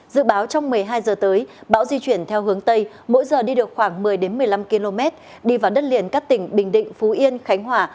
dự báo trong một mươi hai h tới bão di chuyển theo hướng tây mỗi giờ đi được khoảng một mươi một mươi năm km đi vào đất liền các tỉnh bình định phú yên khánh hòa